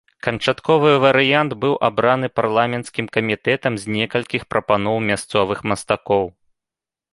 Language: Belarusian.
Канчатковы варыянт быў абраны парламенцкім камітэтам з некалькіх прапаноў мясцовых мастакоў.